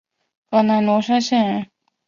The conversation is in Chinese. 河南罗山县人。